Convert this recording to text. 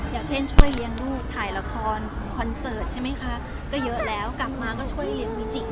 อย่างเช่นช่วยเลี้ยงลูกถ่ายละครคอนเสิร์ตใช่ไหมคะก็เยอะแล้วกลับมาก็ช่วยเลี้ยงวิจิก